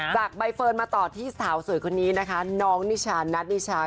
จากใบเฟิร์นมาต่อที่สาวสวยคนนี้นะคะน้องนิชานัทนิชา